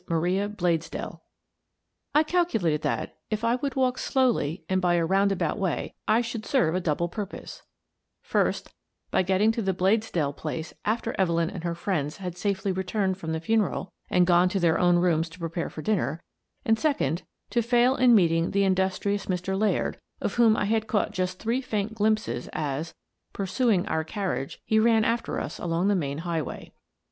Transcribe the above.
MARIA BLADESDELL I calculated that, if I would walk slowly and by a roundabout way, I should serve a double purpose, first, by getting to the Bladesdell place after Evelyn and her friends had safely returned from the funeral and gone to their own rooms to prepare for dinner, and, second, to fail in meeting the industrious Mr. Laird, of whom I had caught just three faint glimpses as, pursuing our carriage, he ran after us along the main highway.